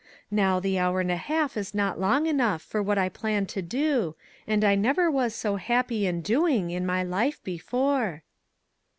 Now, the hour and a half is not long enough for what I plan to do, and I never was so happy in doing, in my life before."